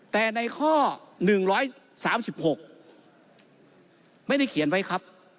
แต่ในข้อ๑๓๖ไม่ได้เขียนไว้ครับ